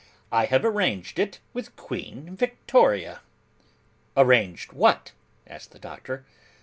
I have arranged it with Queen Victoria.' 'Arranged what?' asked the Doctor.